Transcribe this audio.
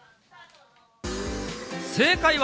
正解は。